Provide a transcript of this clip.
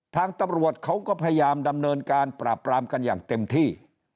ทางตำรวจเขาก็พยายามดำเนินการปราบปรามกันอย่างเต็มที่